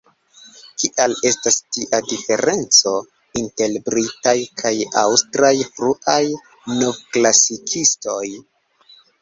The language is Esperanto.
Kial estas tia diferenco inter britaj kaj aŭstraj fruaj novklasikistoj?